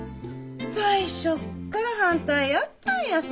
最初っから反対やったんやさ